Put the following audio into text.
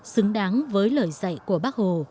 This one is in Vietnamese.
xứng đáng với lời dạy của bác hồ